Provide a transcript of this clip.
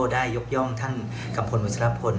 ได้ยกย่องท่านกัมพลวัชลพล